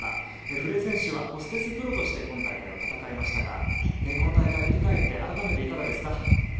古江選手はホステスプロとして今大会、戦いましたがこの大会振り返って改めていかがですか？